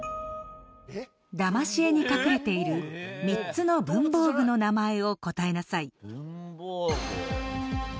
だまし絵に隠れている３つの文房具の名前を答えなさい。